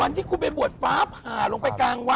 วันที่คุณเป็นบวชฟ้าผ่าลงไปกลางวัน